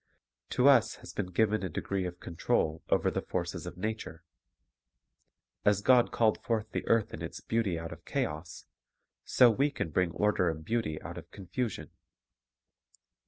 To us has been given a degree of control over the forces of nature. As God called forth the earth in its beauty out of chaos, so we can bring order and beauty out of confusion.